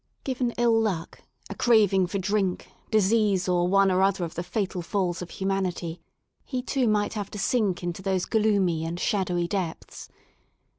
Given ill luck, a craving for drink, disease or one or other of the fatal falls of humanity, he too might have to sink into those gloomy and shadowy depths.